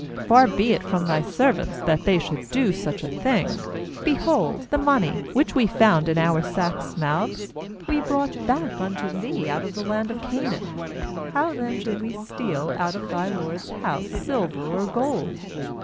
Far be it from thy servants that they should do such a thing. 8Behold, the money, which we found in our sacks' mouths, we brought back unto thee out of the land of Canaan; how then should we steal out of thy lord's house silver or gold?